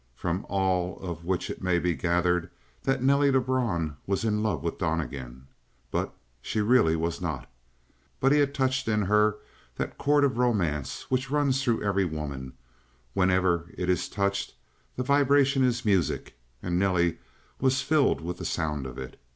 From all of which it may be gathered that Nelly Lebrun was in love with Donnegan, but she really was not. But he had touched in her that cord of romance which runs through every woman; whenever it is touched the vibration is music, and Nelly was filled with the sound of it.